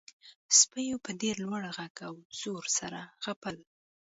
سپیو په ډیر لوړ غږ او زور سره غپل